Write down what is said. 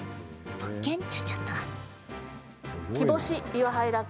物件っちゅっちゃった。